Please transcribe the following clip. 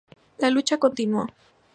La lucha continuó.